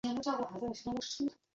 尾崎由香是日本的女性声优。